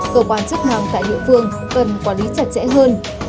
tổ quan chức nằm tại địa phương cần quản lý chặt chẽ hơn